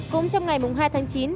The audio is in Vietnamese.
cũng trong ngày hai tháng chín